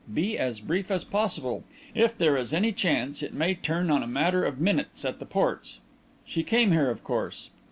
Be as brief as possible. If there is any chance it may turn on a matter of minutes at the ports. She came here, of course?"